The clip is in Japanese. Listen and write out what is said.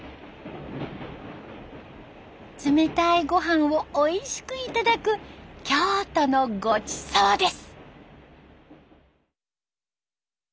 冷たい御飯をおいしく頂く京都のごちそうです。